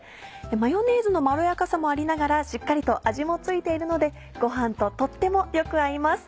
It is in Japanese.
マヨネーズのまろやかさもありながらしっかりと味も付いているのでご飯ととってもよく合います。